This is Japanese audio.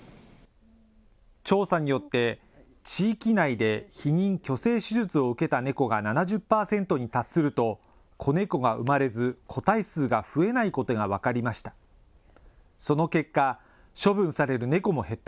調査によって地域内で避妊・去勢手術を受けた猫が７０％に達すると、子猫が産まれず、個体数が増えないことが分かりました。